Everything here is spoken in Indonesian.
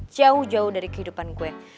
jauh jauh dari kehidupan gue